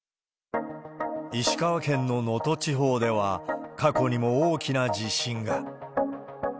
石川県の能登地方では、過去にも大きな地震が。